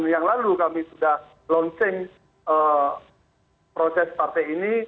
yang lalu kami sudah launching proses partai ini